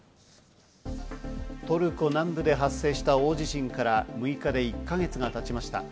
トルコ南部で発生した大地震から６日で１か月が経ちました。